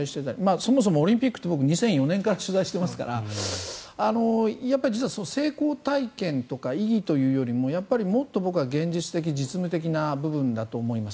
そもそもオリンピックって僕２００４年から取材してますから実は成功体験とか意義というよりもやっぱりもっと僕は現実的、実務的な部分だと思います。